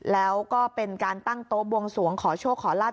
แล้วก็เป็นการตั้งโต๊ะบวงสวงขอโชคขอลาบ